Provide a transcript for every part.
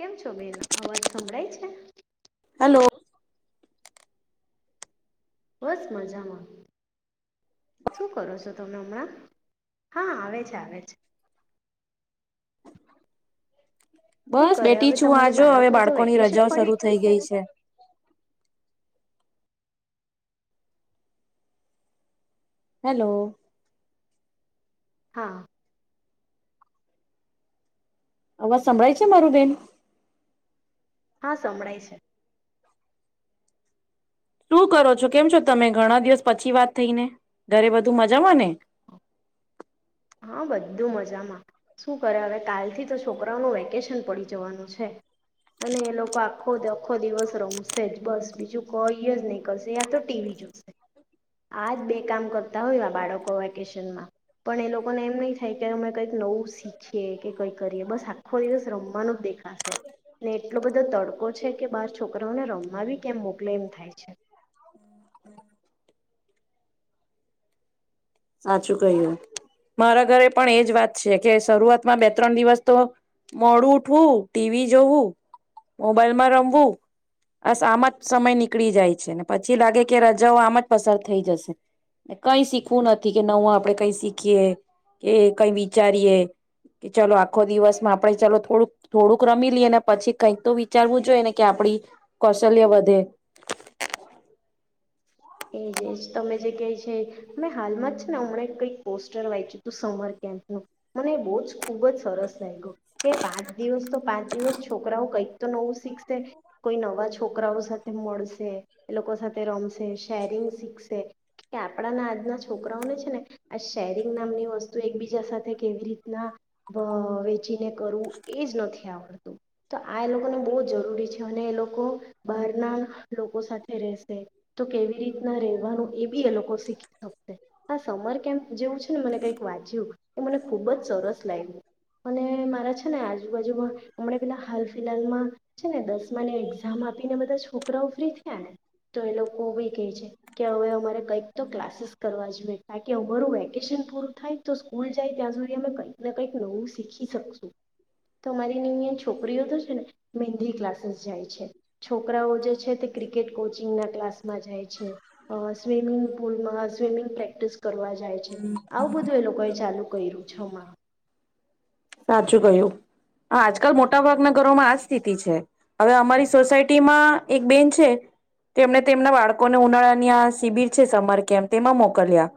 કેમ છો બેન અવાજ સંભળાય છે. હલો. બસ મજામાં શું કરો છો તમે હમણાં હા આવે છે આવે છે. શું બસ કરે બેટી હવે છું આ તમારું જો હવે બાળકનું તો બાળકોની વેકેશન રજાઓ પડી શરૂ ગયું થઈ હશે ગઈ ને છે. હેલો. હા. અવા સાંભળાાય છે મારુબેન. હા સંભળાય છે. શું કરો છો કેમ છો તમે ઘણા દિવસ પછી વાત થઈ ને ઘરે બધું મજામાં ને? હા બધું મજામાં શું કરે હવે કાલથી તો છોકરાઓ ન વેકેશન પડી જવાનું છે અને એ લોકો આખોખો દિવસ રમશે જ બસ બીજું કોઈ જ નીકળશે. ત્યા તો ટીવી જોશે આજ બે મ કરતા હોય બાળકો વેકેશનમાં પણ એ લોકો લોકોને એમ નહી થાય કે અમે કઈક નવું શીખ કે કઈ કરીએ બસ આખો દિવસ રમવાનો જ દેખાશે ને એટલો બધો ો તડકો છે કે બાર છોકરાઓને રમવી કેમ મોકલે એમ થાય છે. સાચું કહ્યું, મારા ઘરે પણ એજ વાત છે કે શરૂઆતમાં બે ત્રણ દિવસ તો મોડું ઉઠવું ટીવી જોવું, મોબાઈલમાં રમવું, બસ આમાં જ સમય નીકળી જાય છે ને પછી લાગે કે રજાઓ આમ જ પસાર થઈ જશે, કઈ શીખવું નથી. કે નવું આપડણે કઈ શીખીએ, કે કઈ વિચારીએ, કે ચલો આખો દિવસમાં આપણે ચલો થોડુંક થોડુંક રમી લઈએ ને પછી કઈક તો વિચારવું જોઈએ ને કે આપડી, કૌશલ્ય વધે. એજ એજ તમે જે કહે છે, મેં હાલમાં જ છે ને હમણાં કંઈક પોસ્ટર વાંચ્યું હતું સમર કેમ્પનું, મને બહુ જ ખુબ જ સરસ લાગ્યો કે પાંચ દિવસ તો પાંચ દિવસ છોકરાઓ કંઈક તો નવું શીખ કોઈ નવા છોકરાઓ સાથે મળશે એ લોકો સાથે રમશે. શીખ કે આપણા ના આજના છોકરાઓને છે ને. આ શેરિંગ નામની વસ્તુ એકબીજા સાથે કેવી રીતના વેચીને કરવું એ જ નથી આવડતું, તો આ એ લોકોને બહ જ જરૂરી છે અને એ લોકો, બહારના લોકો સાથે રહેશે, તો કેવી રીતના રહેવાનું એ બી એ લોકો શીખી શકતે. હા સમ કેમ જેવું છે ને મને કઈક વાંચ્યું, એ મને ખુબ જ સરસ લાગ્યું, અને મારા છે ને આજુબાજુમાં હમણાં પેલા હાલ ફિલાહાલમાં, છે ને દસમા ની એક્ઝામ આપીને બધા છોકરાઓ ફ્રી થયા ને, તો એ લોકો કે હવે અમારે કઈક તો ક્લાસીસ કરવા જોઈએ અમારું વેકેશન પૂરું થાય તો સ્કૂલ જાય ત્યાં સુધી અમે કઈક કંઈક નવું શીકશું, તો અરી અ છોકરીઓ તો છે ને મંદી ક્લાસીસ જાય છે, છોકરાઓ જે છે તે ક્રિકેટ કોચિંગ ના ક્લાસમાં જાય. છે, સ્વિમિંગ પુલમાં સ્વિમિંગ પ્રેક્ટિસ કરવા. છે, આવું બધું એ લોકોએ ચાલુ કર્યું છે. સાચું કય્યું, આજકાલ મોટા ભાગના ઘરોમાં આ સ્થિતિ છે, હવે અમારી સોસાયટીમાં એક બેન છે, તેમને તેમના બાળકોને ઉનાળાની આ શિબિર છે સમર કેમ્પ તેમાં મોકલ્યા,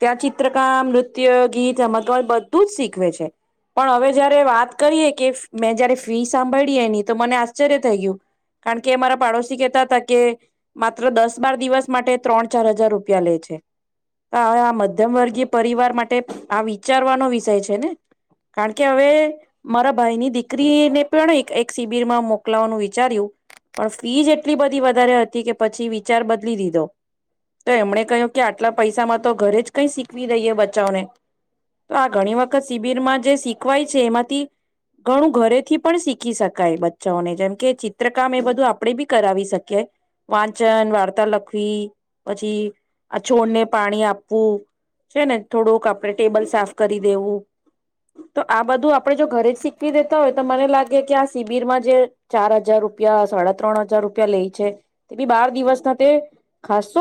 ત્યાં ચિત્રકામ નૃત્ય ગીતમકવાર બધું જ શીખવે છે. પણ હવે જયારે વાત કરીએ કે મેં જયારે ફી સાંભળીએની તો મને આશ્ચર્ય થઈ ગયું, કારણ કે અમારા પાડોશી કહેતા હતા કે માત્ર દસ બાર દિવસ માટે ત્રણ ચાર હજાર રૂપિયા લે છે, હવે આ મધ્યમ વર્ગીય પરિવાર માટે આ વિચારવાનો વિષય છે ને. કારણ કે હવે મારા ભાઈની દીકરીને પણ એક એક શિબિરમાં મોકલાવાનું વિચાર્યું, પણ ફીઝ એટલી બધી વધારે હતી કે પછી વિચાર બદલી દીધો, તો એમણે કહ્યું કે આટલા પૈસામાં તો ઘરે જ કઈ શીખવી દઈએ બચાવને, તો આ ઘણી વખત શિબિરમાં જ જે શીખવાય છે એમાંથી, ઘણું ઘરેથી પણ શીખી શકાય બચ્ચાઓને જેમકે ચિત્રકામ એ બધું આપણેે બી કરાવી શકીએ, વાંચન વાર્તા લખવી, પછી આ છોડને પાણી આપવું છે ને થોડુંક આપણે ટેબલ સાફ કરી દેવું. તો આ બધું આપડે જો ઘરે જ શીખવી દેતા હોય તો મને લાગે કે આ શિબિરમાં જે ચાર હજાર રૂપિયા સાડા ત્રણ હજાર રૂપિયા લઈ છે તે બી બાર દિવસના તે ખસ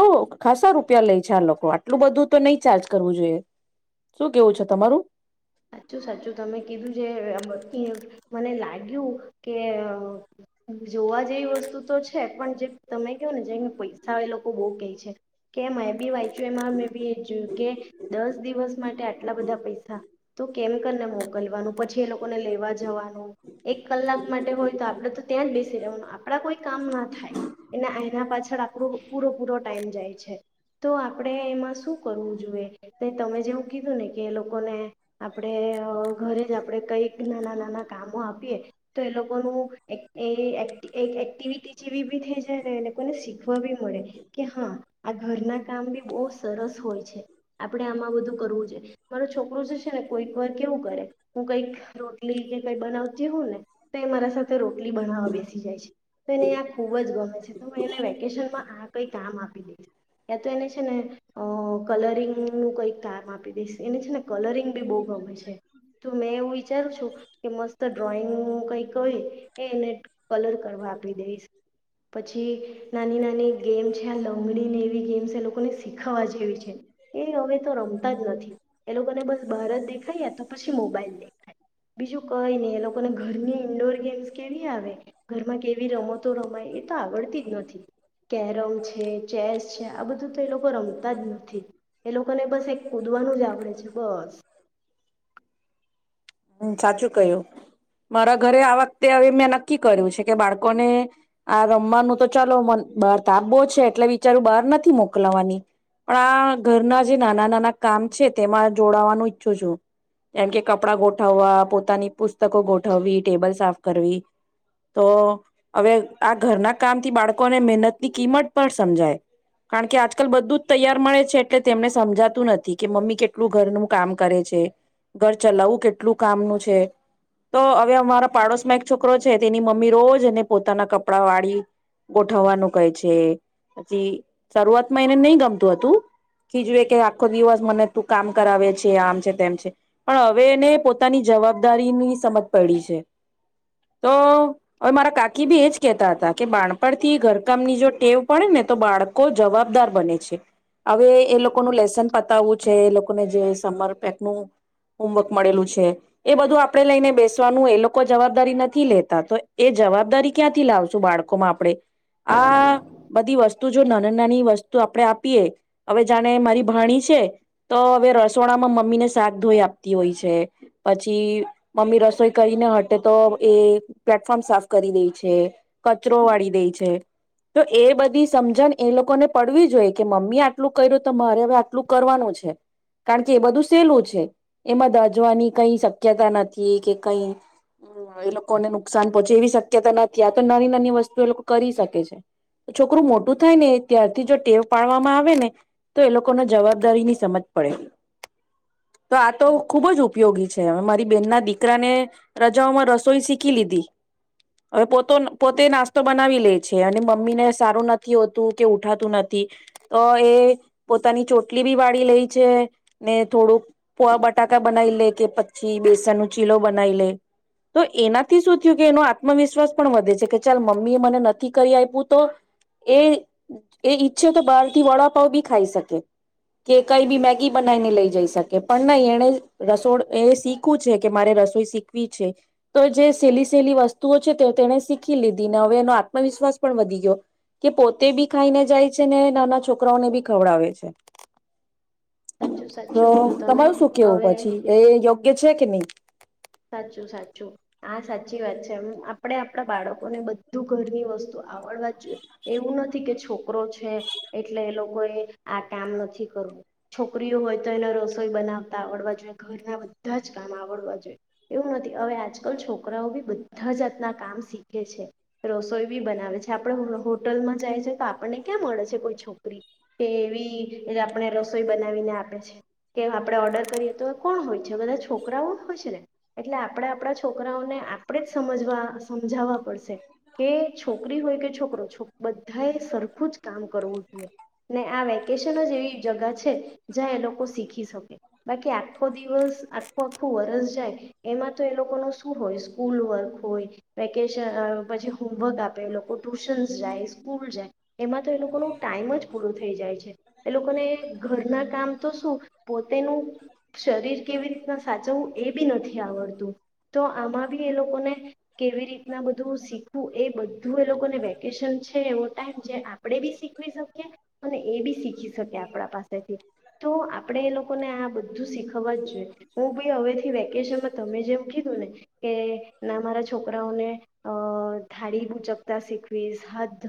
ખાસસા રૂપિયા લે છે આ લોકો આટલું બધું તો નહી ચાર્જ કરવું જોઈએ શું કેવું છે તમારું? સાચું સાચું તમે કીધું જે મને લાગ્યું કે જોવા જેવી વસ્તુ તો છે પણ જે તમે કહો ને જેને પૈસા એ લોકો બહુ ક છે. કે મે બી વાંચ્યું એમાં મેં બી કે દસ દસ દિવસ માટે આટલા બધા પૈસા તો કેમ કરીને મોકલવાનું પ ખલો. લેવા જવાનું એક કલાક માટે હોય તો આપડે તો ત્યાં આપડા કોઈ કામ ના થાય એને એના પાછળ આપણો પૂરો પૂરો ટાઈમ જાય છે તો આપણેે એમાં શું કરવું જોઈએ તમે જેવું કીધું ને કે એ લોકોને આપણે ઘરે જ આપણેે કઈક નાના નાના કામો આપીએ તો એ લોકોનું એ એક એક્ટિવિટી જેવી બી થઈ જાયને એ લોકોને શીખવા બી મળે કે હા આ ઘરના કામ બી બહુ સરસ હોય છે આપણેે આમાં બધું કરવું જોઈએ મારું છોકરું છે. ને કોઈક વાર કેવું કરે હું કઈક રોટલી કે કઈ બનાવતી હો ને તો મારા સાથે રો બેસી જાય છેને ખુબ જ ગમે છે હ વેકેશનમાં. કઈ કામ આપી દઈશ યા તો એને છે ને અ કલરિંગ નું કઈ કામ આપી દઈશ એને છે ને કલરિંગ બ ગમે છે તો મેં એવું વિચારું છું કે મસ્ત ડ્રોઈંગું કઈ એને કલર કરવા આપી દઈશ પછી નાની નાની ગેમ લંગડીને એ ગેમ્સ એ લોકોને શીખાવા જેવી છે એ હવે તો રમતા જ નથી એ લોકોને બસ બારત દેખાય તો પછી મોબાઈલ દેખાય બીજું કઈ ને એ લોકોને ઘરની ઇન્ડોર ગેમ કેવી આવે ઘરમાં કેવી રમતો રમાય એ તો આવડતી જ નથી કેરમ છે ચેસ છે આ બધું તો એ લોકો રમતા જ નથી એ લોકોને બસ એક કુદવાનું જ આવડે છે બસ. હમ સાચું કય્યું મારા ઘરે આવા તે હવે મેં નક્કી કર્યું છે કે બાળકોને આ રમવાનું તો ચાલો મ બાર તપો છે એટલે વિચારું બહાર નથી મોકલવાની પણ આ ઘરના જે નાના નાના કામ છે તેમાં જોડાવાનું ઈચ્છું છું જેમ કે કપડાં ગોઠવવા પોતાની પુસ્તકો ગોઠવવી ટેબલ સાફ કરવી તો હવે આ ઘરના કામથી બાળકોને મહેનત ની કિંમત પણ સમજાય કારણ કે આજકાલ બધું જ તૈયાર મળે છે એટલે તેમને સમજાતું નથી કે મમ્મી કેટલું ઘરનું કામ કરે છે ઘર ચલાવવું કેટલું કામનું છે તો હવે અમારા પાડોશ એક છોકરો છે તેની મમ્મી રોજ એને પોતાના કપડા વાળી ગોઠવવાનું કહે છે પછી શરૂઆતમાં એને નહી ગમતું હતું ખીજવે કે આખો દિવસ મને તું કામ કરાવે છે આમ છે તેમ છે પણ હવે એને પોતાની જવાબદારીની સમજ પડી છે. તો હવે મારા કાકી બી એજ કેહતા હતા કે બાણપણથી ઘરકામની જો ટેવ પડે ને તો બાળકો જવાબદાર બને છે હવે એ લોકો લોકો ન લેસન પતાવું છે એ લોકોને જે સમ પેક નું હોમવર્ક મળેલું છે એ બધું આપડે લઈને બેસવાનું એ લોકો જવાબ નથી લેતા તો એ જવાબદારી ક્યાંથી લાવશું બાળકોમાં આપણે આ બધી વસ્તુ જો નાની નાની વસ્તુ આપણે આપીએ હવે જાણે મારી ભાણી છે તો હવે રસોણામાં મમ્મી ને શાક ધોઈ આપતી હોય છે પછી મમ્મી રસોઈ કરીને હટે તો એ પ્લેટફોર્મ સાફ કરી દે છે કચરો વાળી દે છે તો એ બધી સમજણ એ લોકોને પડવી જોઈ કે મમ્મી આટલું કર્યું તો મારે હવે આટલું કરવાનું છે કારણ કે એ બધું સહેલું છે એમાં દજવાની કઈ શક્યતા નથી કે કઈ એ લોકોને નુકસાન પહોંચે એવી શક્યતા નથી આ તો [unintelligible] વસ્તુ એ લોકો કરી શકે છે છોકરું મોટું થાય ને ત્યારથી જો ટેવ પાડવામાં આવે ને તો એ લોકોને જવાબદારી ની સમજ પડે. તો આ તો ખુબ જ ઉપ ઉપયોગી છે. હવે મારી બેન ના દીકરાને રજાઓમાં રસોઈ શીખી લીધી હવે પો પોતે નાસ્તો બનાવી લે છે. અને મમ્મીને સારું નથી હોતું, કે ઉઠાતું નથી, તો એ પોતાની ચોટલી બી વાળી લે છે. ને થોડુંક બટાકા બનાવી લે કે પછી, બેસન ન ચીલો બનાવી લે તો એનાથી શું થયું, કે એનો આત્મવિશ્વાસ પણ વધે છે, કે ચાલ મમ્મી એ મને નથી કરી આપ્યું, તો એ એ ઈચ્છે તો બહારથી વડાપાવ બી ખાઈ શકે કે કઈ બી મેગી બનાવીને લઈ જઈ શકે પણ નહી, એને રસોડ એ શીખવું છે, કે મારે રસોઈ શીખ છે. તો જે સહેલી સહેલી વસ્તુઓ છે. તેને શીખી લીધી ને હવે એનો આત્મવિશ્વાસ પણ વધી ગયો કે પોતે બી ખાઈને જાય છે. ને નાના છોકરાઓને બી ખવડાવે છે. સાચું તો સાચું કીધું તમે તમારું શું કેવું હવે પછી એ યોગ્ય છે, કે નહી. સાચું સાચું આ સાચી વાત છેમ આપણેે આપણા બાળકોને બધું ઘરની વસ્તુ આવડવા જોઈએ, એવું નથી કે છોકરો છે. એટલે એ લોકોએ આ કામ નથી કરવું છોકરીઓ હોય તો એને રસોઈ બનાવતા આવડવા જોઈએ ઘરના બધા જ કામ આવડવા જોઈએ. એવું નથી હવે, આજકાલ છોકરાઓ બી બધા જાતના કામ શીખે છે. રસોઈ બી બનાવે છે. આપણે હોટલમાં જાય છે તો આપણને ક્યાં મળે છે. કોઈ છોકરી કે એવી આપણે રસોઈ બનાવીને આપે છે, કે આપણે ઓર્ડર કરીએ તો કોણ હોય છે. બધા છોકરાઓ હોય છે ને એટલે આપણેે આપણા છોકરાઓને આપણેે જ સમજવા સમજાવવા. કે છોકરી હોય કે, છોકરો બધા સરખું જ કામ કરવું જોઈએ ને આ વક્ વકેશન જ એવી જગ છે. જ્યાં એ લોકો શીખી શકે બાકી આખો દિવસ આખું આખું વરસ જાય. એમાં તો એ લોકોનું શું હોય સ્કૂલવર્ક હોય, વેકેશન પછી હોમવર્ક આપે એ લોકો ટુશન્સ જાય સ્કૂલ જાય. એમાં તો એ લોકોનો ટાઈમ જ પૂરો થઈ જાય છે. એ લોકોને ઘરના કામ તો શું પોતેનું શરીર કેવી રીતના સાચવવું એ બી નથી. આવતું તો આમાં બી એ લોકોને કેવી રીતના બધું શીખવું એ બધું એ લોકોને વેકેશન છે. એવ ટાઈમ જે આપડે બી શીખવી શકીએ. અને એ બી શીખી શકે આપણા પાસેથી તો આપણે એ લોકોને આ બધું શીખવવા જ જોઈએ. હું બી હવેથી વેકેશન તમે જેમ કીધું ને કે, ના મારા છોકરાઓને અ થાળી ઊચકતા શીખવીશ હાથ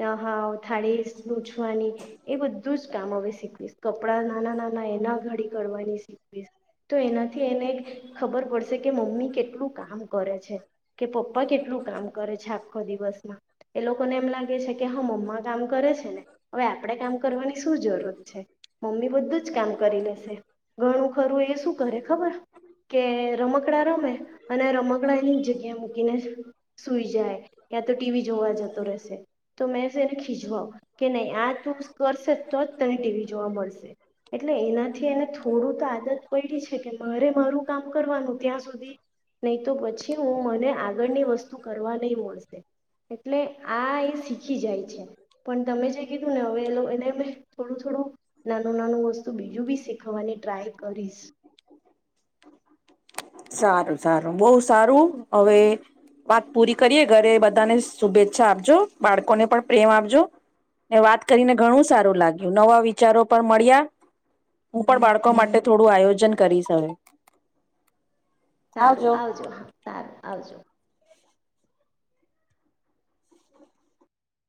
ના હાવ થાળી લુછવાની એ બધું જ કામ હવે શીખવીશ કપડા નાના નાના એના ઘડી કરવાની શીખવીશ તો એનાથી એને ખબર પડશે. કે મમ્મી કેટલું કામ કરે છે, કે પપ્પા કેટલું કામ કરે છે. આખો દિવસમાં એ લોકોને એમ લાગે છે. કે હા મમ્મા કામ કરે ને હવે, આપણેે કામ કરવાની શું જરૂરત છે. મમ્મી બધું જ કામ કરી લેશે. ઘણું ખરું એ શું કરે ખબર રમકડા રમે અને રમકડા એની જગ્યા મૂકીને સુઈ જાય. યા તો ટીવી જોવા જતો રહેશે, તો મેં એને ખીજવાવ કે નહી આ તું કરશે. તો જ તને ટીવી જોવા મળશે એટલે એનાથી એને થોડું તો આદત પડી છે, કે મારે મારું કામ કરવાનું ત્યાં, સુધી નહી તો પછી, હું મને આગળની વસ્તુ કરવા નહી મળશે. એટલે આ એ શીખી જાય છે પણ તમે જે કીધું ને હવેલો એને મે થોડું થોડું નાનું નાનું વસ્તુ બીજું બી શીખવવાની ટ્રાય કરીશ. સારું સારું બહુ સારું હવે, વાત પૂરી કરીએ ઘરે બધાને શુભેચ્છા આપજો બાળકોને પણ પ્રેમ આપજો ને વાત કરીને ઘણું સારું લાગ્યું નવા વિચારો પણ મળ્યા હું પણ બાળકો માટે થોડું આયોજન કરીશ હવે. સારું આવજો. હા, સારું આવજો.